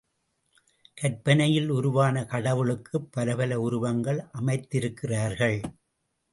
கற்பனையில் உருவான கடவுளுக்குப் பலப்பல உருவங்கள் அமைத்திருக்கிறார்கள்.